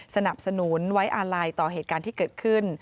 สนับสนุนไว้อาลัยต่อเหตุการณ์ที่เกิดขึ้น